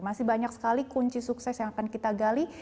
masih banyak sekali kunci sukses yang akan kita gali